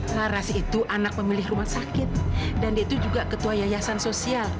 laras itu anak pemilik rumah sakit dan dia itu juga ketua yayasan sosial